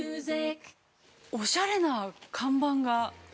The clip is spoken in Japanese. ◆おしゃれな看板が。